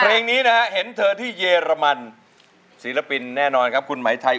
เพลงนี้นะฮะเห็นเธอที่เยอรมันศิลปินแน่นอนครับคุณหมายไทย